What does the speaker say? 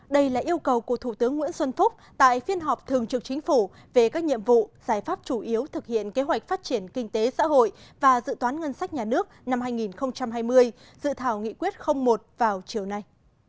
đây là yêu cầu của thủ tướng nguyễn xuân phúc tại phiên họp thường trực chính phủ về các nhiệm vụ giải pháp chủ yếu thực hiện kế hoạch phát triển kinh tế xã hội và dự toán ngân sách nhà nước năm hai nghìn hai mươi dự thảo nghị quyết một vào chiều nay